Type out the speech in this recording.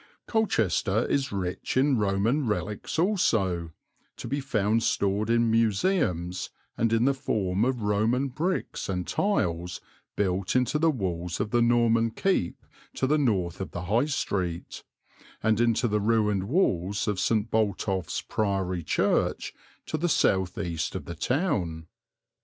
Colchester is rich in Roman relics also, to be found stored in museums, and in the form of Roman bricks and tiles built into the walls of the Norman keep to the north of the High Street, and into the ruined walls of St. Botolph's Priory Church, to the south east of the town.